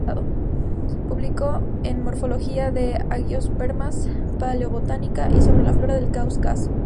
Publicó en morfología de angiospermas, paleobotánica y sobre la flora del Cáucaso.